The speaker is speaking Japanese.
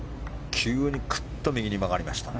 急にクッと右に曲がりましたね。